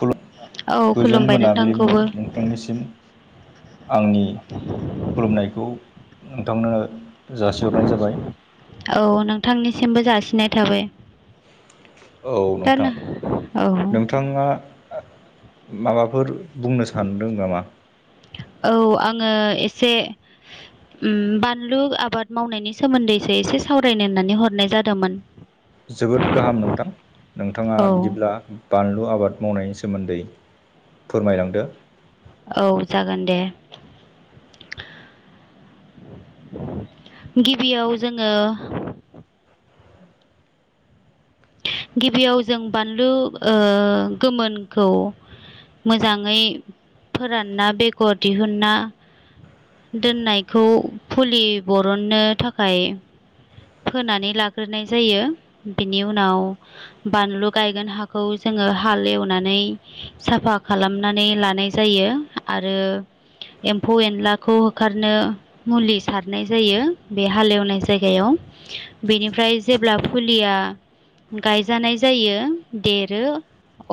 खुलुम औ गोजोन खुलुमबाय मोनाबिलिनि नोंथांखौबो नोंथांनिसिम आंनि खुलुमनायखौ नोंथांनो जासिहरनाय जाबाय औ नोंथांनिसिमबो जासिनाय थाबाय दा नो औ बिथाङा माबाफोर बुंनो सानदों नामा औ आङो एसे उम बानलु आबाद मावनायनि सोमोनदैसो एसे सावरायनो होननानै हरनाय जादोंमोन जोबोद गाहाम नोंथां नोंथाङा औ बिदिब्ला बानलु आबाद मावनायनि सोमोनदै फोरमायलांदो औ जागोन दे गिबियाव जोङो गिबियाव जों बानलु गोमोनखौ मोजाङै फोरानना बेगर दिहुना दोननायखौ फुलि बरननो थाखाय फोनानै लाग्रोनाय जायो बेनि उनाव बानलु गायगोन हाखौ जोङो हाल एवनानै साफा खालामनानै लानाय जायो आरो एमफौ एनलाखौ होखारनो मुलि सारनाय जायो बे हाल एवनाय जायगायाव बेनिफ्राय जेब्ला फुलिया गायजानाय जायो देरो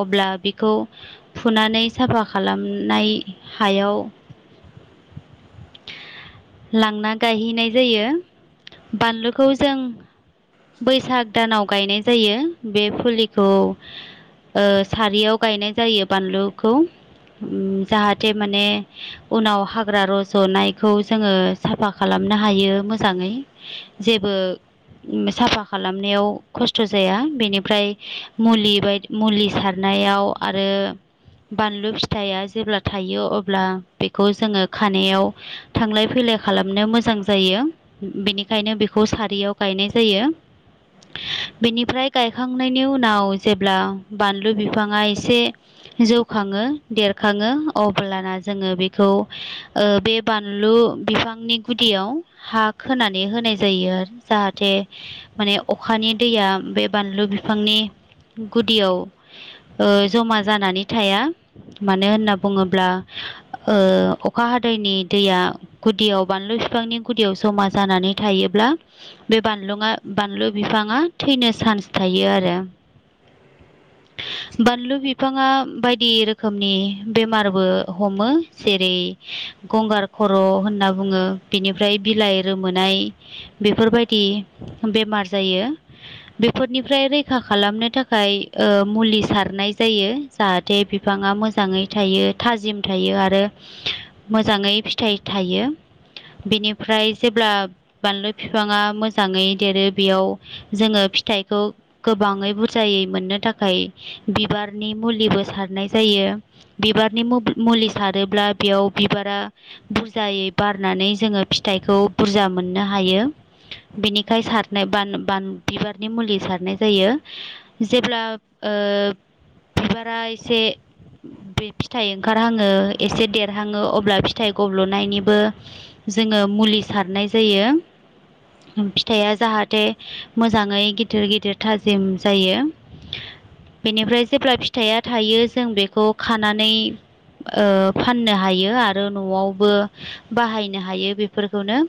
अब्ला बेखौ फुनानै साफा खालामनाय हायाव लांना गायहैनाय जायो बानलुखौ जों बैसाग दानाव गायनाय जायो बे फुलिखौ ओ सारियाव गायनाय जायो बानलुखौ ओम जाहाथे माने उनाव हाग्रा रज'नायखौ जोङो साफा खालामनो हायो मोजाङै जेबो साफा खालामनायाव खसथ' जाया बेनिफ्राय मुलि बाय मुलि सारनायाव आरो बानलु फिथाइया जेब्ला थायो अब्ला बेखौ जोङो खानायाव थांलाय फैलाय खालामनो मोजां जायो बेनिखायनो बेखौ सारियाव गायनाय जायो बेनिफ्राय गायखांनायनि उनाव जेब्ला बानलु बिफाङा एसे जौखाङो देरखाङो अब्लाना जोङो बेखौ ओ बे बानलु बिफांनि गुदियाव हा खोनानै होनाय जायो आरो जाहाथे माने अखानि दैया बे बानलु बिफांनि गुदियाव ओ जमा जानानै थाया मानो होनना बुङोब्ला ओ अखा हादैनि दैया गुदियाव बानलु बिफांनि गुदियाव जमा जानानै थायोब्ला बे आ बानलु बिफाङा थैनो चान्स थायो आरो बानलु बिफाङा बायदि रोखोमनि बेमारबो हमो जेरै गंगार खर' होनना बुङो बिनिफ्राय बिलाइ रोमोनाय बेफोरबायदि बेमार जायो बेफोरनिफ्राय रैखा खालामनो थाखाय ओ मुलि सारनाय जायो जाहाथे बिफाङा मोजाङै थायो थाजिम थायो आरो मोजाङै फिथाइ थायो बेनिफ्राय जेब्ला बानलु बिफाङा मोजाङै देरो बेयाव जोङो फिथाइखौ गोबाङै बुरजायै मोननो थाखाय बिबारनि मुलिबो सारनाय जायो बिबारनि मुलि सारोब्ला बेयाव बिबारा बुरजायै बारनानै जोङो फिथाइखौ बुरजा मोननो हायो बिनिखाय सारनाय ब बान बिबारनि मुलि सारनाय जायो जेब्ला बिबारा एसे बे फिथाइ ओंखारहङो एसे देरहङो अब्ला फिथाइ गब्ल'नायनिबो जोङो मुलि सारनाय जायो फिथाया जाहाथे मोजाङै गिदिर गिदिर थाजिम जायो बेनिफ्राय जेब्ला फिथाइया थायो जों बेखौ खानानै फाननो हायो आरो न'आवबो बाहायनो हायो बेफोरखौनो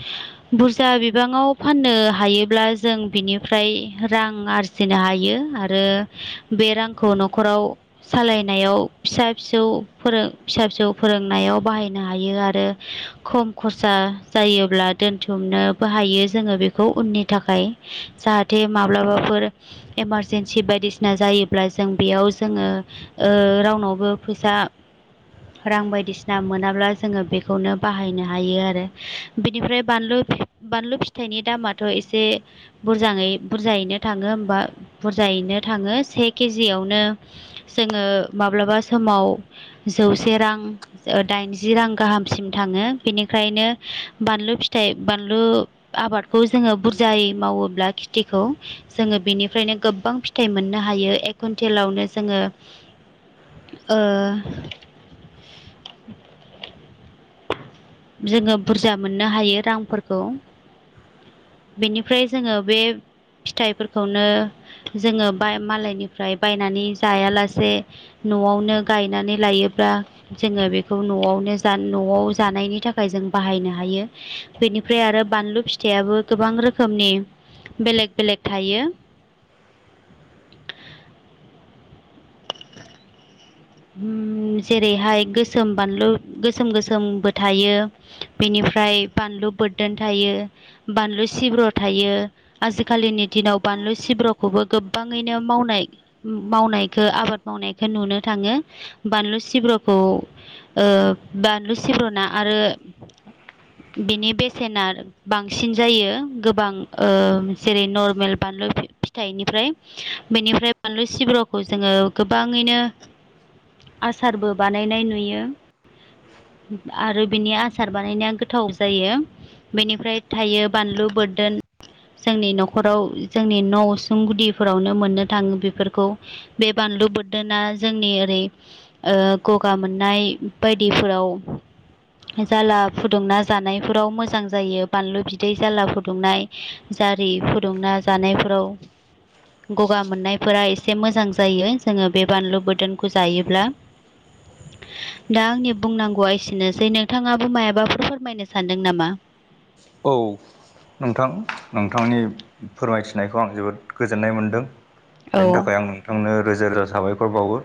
[inaudible] बुरजा बिबाङाव फाननो हायोब्ला जों बिनिफ्राय रां आरजि फिसिनो हायो आरो बे रांखौ न'खराव सालायनायाव फिसा फिसौ फोरों फिसा फिसौ फोरोंनायाव बाहायनो हायो आरो खम खरसा जायोब्ला दोन बुथुमनोबो हायो जोङो बेखौ उननि थाखाय जाहाथे माब्लाबाफोर इमारजेन्सि बायदिसिना जायोब्ला जों बेयाव जोङो रावनावबो फैसा रां बायदिसिना मोनाब्ला जोङो बेखौनो बाहायनो हायो आरो बेनिफ्राय बानलु बानलु फिथाइनि दामाथ' एसे बुरजै बुरजायैनो थाङो होमबा बुरजायैनो थाङो से केजियावनो जोङो माब्लाबा समाव जौसे रां दाइनजि रां गाहामसिम थाङो बेनिफ्रायनो बानलु फि थाय बानलु आबादखौ जोङो बुरजायै मावोब्ला खेथिखौ जोङो बेनिफ्रायनो गोबां फिथाइ मोननो हायो एक कुन्टेलावनो जोङो ओ [inaudible] जोङो बुरजा मोननो हायो रांफोरखौ बेनिफ्राय जोङो बे फिथाइफोरखौनो जोङो मालायनिफ्राय बायनानै जायालासे न'आवनो गायनानै लायोब्ला जोङो बेखौ न'आवनो न'आव जानायनि थाखाय जों बाहायनो हायो बेनिफ्राय आरो बानलु फिथायाबो गोबां रोखोमनि बेलेग बेलेग थायो जेरैहाय गोसोम बानलु गोसोम गोसोमबो थायो बेनिफ्राय बानलु बोरदोन थायो बानलु सिब्र' थायो आजिखालिनि दिनाव बानलु सिब्र'खौबो गोबाङैनो मावनाय मावनायखौ आबाद मावनायखौ नुनो थाङो बानलु सिब्र'खौ बानलु सिब्र'ना आरो बेनि बेसेना बांसिन जायो गोबां जेरै नर्मेल बानलु फिथाइनिफ्राय बेनिफ्राय बानलु सिब्र'खौ जोङो गोबाङैनो आसारबो बानायनाय नुयो आरो बिनि आसार बानायनाया गोथाव जायो बेनिफ्राय थायो बानलु बोरदोन जोंनि न'खराव जोंनि न' सुं गुदिफोरावनो मोननो थाङो। बिफोरखौ बे बानलु बोदोरना जोंनि ओरै ओ गगा मोननाय बायदिफोराव जाला फुदुंना जानायफोराव मोजां जायो। बानलु बिदै जाला फुदुंनाय। जारि फुदुंना जानायफोराव गगा मोननायफोरा एसे मोजां जायो। जोङो बे बानलु बोदोनखौ जायोब्ला। दा आंनि बुंनांगौआ एसेनोसै नोंथाङाबो मायाबाफोर फोरमायनो सानदों नामा? औ नोंथां नोंथांनि फोरमायथिनायखौ आं जोबोद गोजोननाय मोनदों। औ बेनि थाखाय आं नोंथांनो रोजा रोजा साबायखर बावो।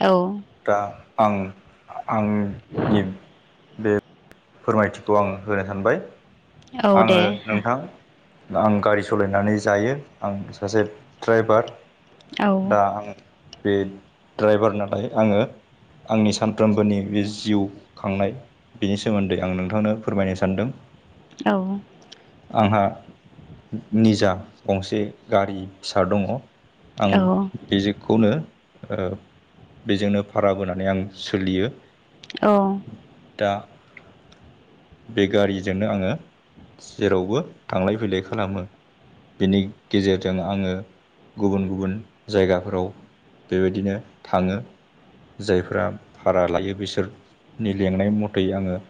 औ दा आं आंनि बे फोरमायथिखौ आं होनो सानबाय औ दे आङो नोंथां। आं गारि सलायनानै जायो आं सासे द्राइभार। औ दा आं बे द्राइभार नालाय आङो आंनि सानफ्रोमबोनि बे जिउ खांनाय बेनि सोमोन्दै आं नोंथांनो फोरमायनो सानदों। औ। आंहा निजा गंसे गारि फिसा दङ। आं औ बे [unintelligible] खौनो ओ बेजोंनो भारा बोनानै आं सोलियो। अ दा बे गारिजोंनो आङो जेरावबो थांलाय फैलाय खालामो। बिनि गेजेरजों आङो गुबुन गुबुन जायगाफोराव बेबायदिनो थाङो। जायफोरा भारा लायो बिसोरनि लेंनाय मथै आङो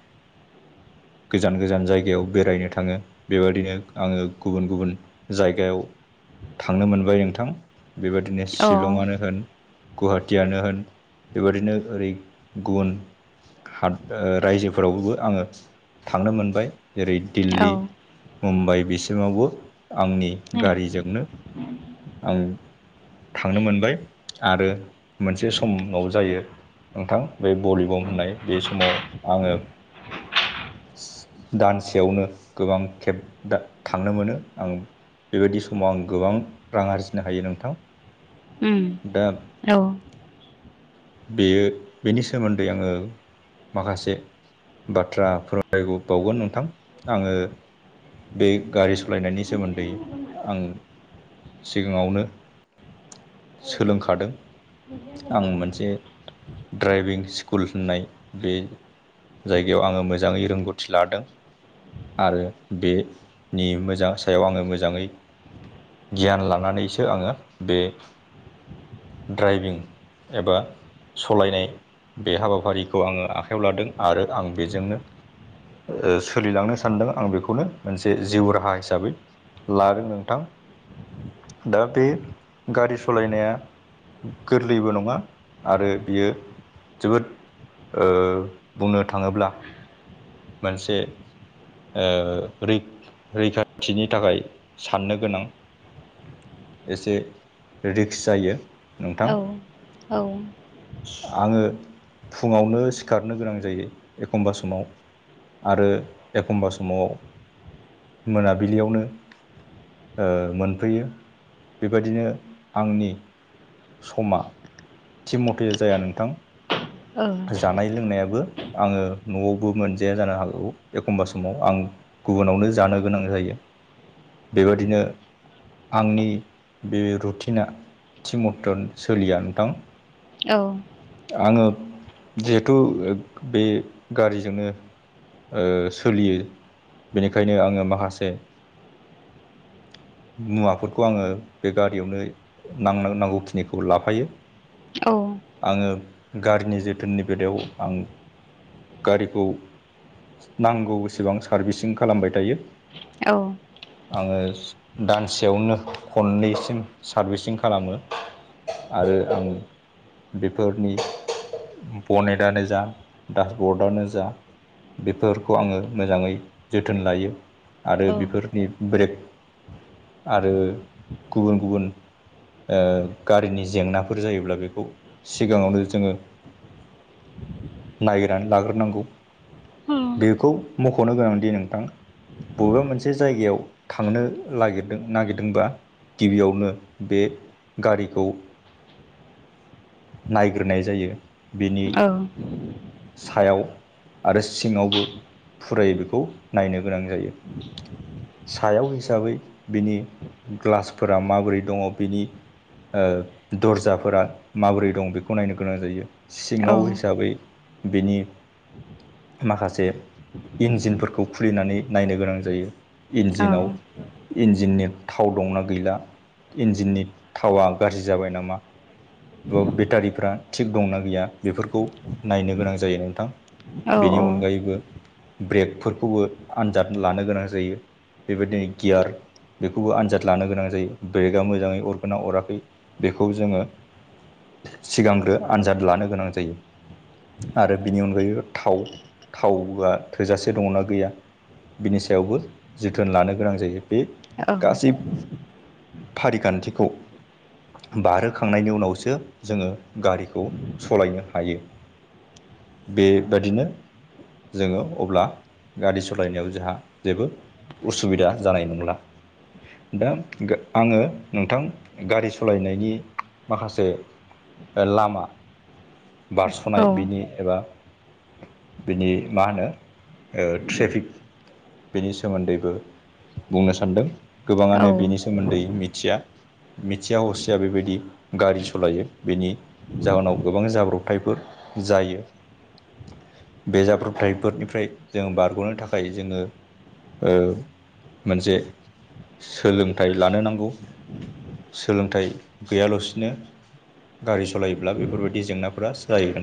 गोजान गोजान जायगायाव बेरायनो थाङो बिबायदिनो आङो गुबुन गुबुन जायगायाव थांनो मोनबाय नोंथां बेबादिनो औ शिलंआनो होन गुवाहाटियानो होन बेबादिनो ओरै गुबुन हाद ओ रायजोफोरावबो आङो थांनो मोनबाय। जेरै औ दिल्ली मुम्बाइ बिसिमावबो आंनि गारिजोंनो आं थांनो मोनबाय आरो मोनसे समाव जायो। नोंथां बे भलिबम होननाय बे समाव आङो दानसेयावनो गोबां खेब थांनो मोनो आं। बिबायदि समाव आं गोबां रां आरजिनो हायो नोंथां। उम दा औ बेयो बिनि सोमोन्दै आङो माखासे बाथ्रा फोरमायबावगोन नोंथां आङो बेयो गारि सलायनायनि सोमोन्दै आं सिगाङावनो सोलोंखादों। आं मोनसे ड्राइभिं स्कुल होननाय बे जायगायाव आङो मोजाङै रोंगौथि लादों। आरो बे नि मोजां सायाव आङो मोजाङै गियान लानानैसो आङो बे ड्राइभिं एबा सलायनाय बे हाबाफारिखौ आङो आखायाव लादों आरो आं बेजोंनो ओ सोलिलांनो सानदों आं बेखौनो मोनसे जिउ राहा हिसाबै। लादों नोंथां दा बे गारि सालायनाया गोरलैबो नङा आरो बियो जोबोद ओ बुंनो थाङोब्ला मोनसे ओ रै रैखाथिनि थाखाय साननो गोनां। एसे रिक्स जायो। नोंथां औ-औ आङो फुङावनो सिखारनो गोनां जायो एखमबा समाव आरो एखमबा समाव मोनाबिलियावनो ओ मोनफैयो बेबायदिनो आंनि समा थिग मथे जाया नोंथां। औ जानाय लोंनायाबो आङो न'वावबो मोनजाया जानो हागौ एखमबा समाव आं गुबुनावनो जानो गोनां जायो बेबादिनो आंनि बे रुटिना थि मथन सोलिया नोंथां औ आङो जिहेथु बे गारिजोंनो ओ सोलियो बेनिखायनो आङो माखासे मुवाफोरखौ आङो बे गारियावनो नां नांगौखिनिखौ लाफायो औ आङो गारिनि जोथोननि बेलायाव आं गारिखौ नांगौ सेबां सारभिसिं खालामबाय थायो। औ आङो दानसेयावनो खननैसिम सारभिसिं खालामो। आरो आं बेफोरनि बनेटनो जा डासबर्डआनो जा बेफोरखौ आङो मोजाङै जोथोन लायो आरो बेफोरनि ब्रेक आरो गुबुन गुबुन ओ गारिनि जेंनाफोर जायोब्ला बेखौ सिगाङावनो जोङो नायगोरनानै लाग्रोनांगौ। बेखौ मख'नो गोनांदि नोंथां बबेबा मोनसे जायगायाव थांनो लागे नागिरदोंबा गिबियावनो बे गारिखौ नायग्रोनाय जायो बिनि सायाव आरो सिङावबो फुरायै बेखौ नायनो गोनां जायो। सायाव हिसाबै बिनि ग्लासफोरा माबोरै दङ बिनि ओ दर्जाफोरा माबोरै दं बेखौ नायनो गोनां जायो। सिङाव हिसाबै बिनि माखासे इन्जिनफोरखौ खुलिनानै नायनो गोनां जायो इन्जिनाव इन्जिननि थाव दंना गैला इन्जिननि थावा गाज्रि जाबाय नामा ब बेटारिफ्रा थिग दंना गैया बेफोरखौ नायनो गोनां जायो नोंथां। बेनि अनगायैबो ब्रेकफोरखौबो आनजाद लानो गोनां जायो बेबायदिनो गियार बेखौबो आनजाद लानो गोनां जायो ब्रेका मोजाङै अरगोना अराखै बेखौ जोङो सिगांग्रो आनजाद लानो गोनां जायो। आरो बिनि अनगायै थाव थावआ थोजासे दङना गैया बिनि सायावबो जोथोन लानो गोनां जायो बे औ जिफ फारि खान्थिखौ बारहोखांनायनि उनावसो जोङो गारिखौ सलायनो हायो। बेबादिनो जोङो अब्ला गारि सालायनायाव जोंहा जेबो उसुबिदा जानाय नंला। नोंथां आङो नोंथां गारि सालायनायनि माखासे लामा बारस'नाय औ बिनि एबा बिनि मा होनो ओ ट्रेफिक बेनि सोमोन्दैबो बुंनो सानदों औ गोबाङानो बिनि सोमोन्दै मिथिया। मिथिया हसिया बेबायदि गारि सालायो बेनि जाउनाव गोबां जाब्रबथायफोर जायो। बे जाब्रबथायफोरनिफ्राय जों बारग'नो थाखाय जोङो ओ मोनसे सोलोंथाइ लानो नांगौ। सोलोंथाइ गैयालासिनो गारि सालायोब्ला बेफोरबायदि जेंनाफोरा जायो नों